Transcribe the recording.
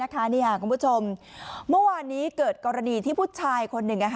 คุณผู้ชมเมื่อวานนี้เกิดกรณีที่ผู้ชายคนหนึ่ง